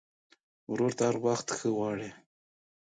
ورور ته هر وخت ښه غواړې.